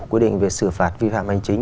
quy định về xử phạt vi phạm hành chính